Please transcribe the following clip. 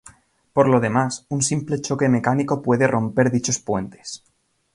Por lo demás, un simple choque mecánico puede romper dichos puentes.